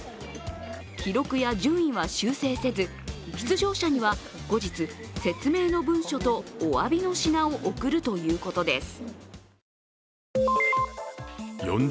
記録や順位は修正せず、出場者には後日、説明の文書とおわびの品を送るということです。